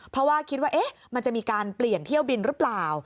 เพราะว่าคิดว่ามันจะมีการเปลี่ยนเที่ยวบินหรือเปล่า